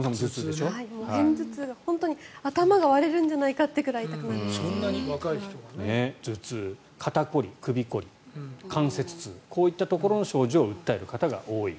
片頭痛が本当に頭が割れるんじゃないかってくらい頭痛、肩凝り、首凝り関節痛、こういったところの症状を訴える方が多い。